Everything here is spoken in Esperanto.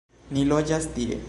Ni loĝas tie.